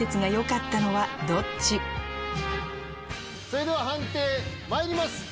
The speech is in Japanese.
それでは判定まいります。